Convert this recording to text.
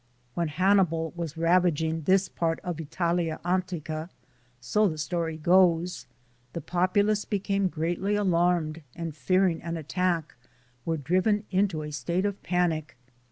When Han nibal was ravaging this part of Italia Antica, so the story goes, the populace became greatly alarmed and fearing an attack, were driven into a state of panic.